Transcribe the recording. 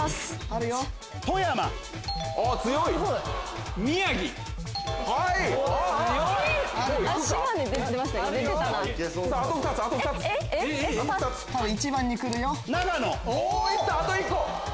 あと１個！